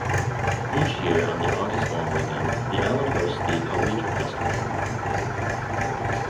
Each year on the August long weekend, the island hosts the Haweater Festival.